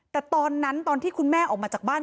แต่ตอนนั้นตอนที่คุณแม่ออกมาจากบ้าน